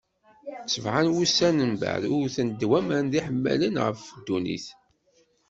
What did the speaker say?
Sebɛa n wussan mbeɛd, wten-d waman d iḥemmalen ɣef ddunit.